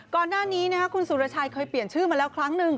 ก่อนหน้านี้คุณสุรชัยเคยเปลี่ยนชื่อมาแล้วครั้งหนึ่ง